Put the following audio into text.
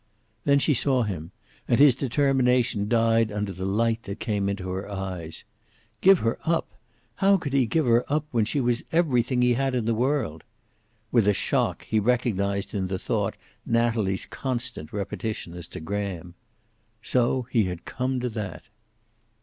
Then she saw him, and his determination died under the light that came in her eyes. Give her up! How could he give her up, when she was everything he had in the world? With a shock, he recognized in the thought Natalie's constant repetition as to Graham. So he had come to that!